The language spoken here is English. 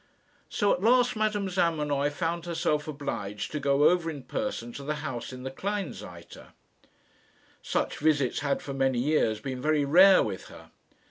So, at last, Madame Zamenoy found herself obliged to go over in person to the house in the Kleinseite. Such visits had for many years been very rare with her.